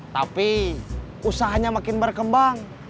tapi usahanya makin berkembang